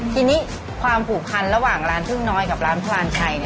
ทีนี้ความผูกพันระหว่างร้านพึ่งน้อยกับร้านพลานชัย